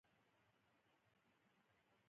زه یې ورته جوړوم